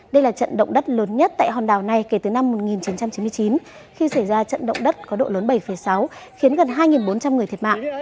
đây là trận động đất lớn nhất tại hòn đảo này kể từ năm một nghìn chín trăm chín mươi chín khi xảy ra trận động đất có độ lớn bảy sáu khiến gần hai bốn trăm linh người thiệt mạng